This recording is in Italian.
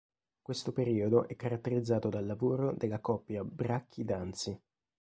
Questo periodo è caratterizzato dal lavoro della coppia Bracchi-D'Anzi.